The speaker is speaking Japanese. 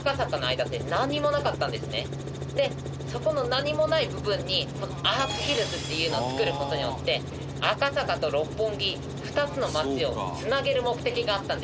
でそこの何もない部分にアークヒルズっていうのを造る事によって赤坂と六本木２つの街をつなげる目的があったんです。